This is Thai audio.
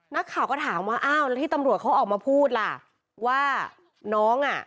นักข่าวก็ถามว่าอ้าวแล้วที่ตำรวจเขาออกมาพูดล่ะว่าน้องอ่ะ